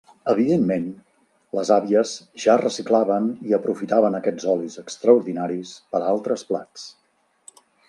Evidentment les àvies ja reciclaven i aprofitaven aquests olis extraordinaris per a altres plats.